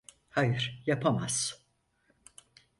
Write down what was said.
Hayır, yapamaz.